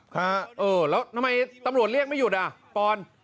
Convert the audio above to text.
ฮะเออแล้วทำไมตำรวจเรียกไม่หยุดอ่ะปอน